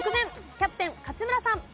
キャプテン勝村さん。